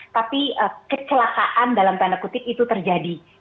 tapi kecelakaan dalam tanda kutip itu terjadi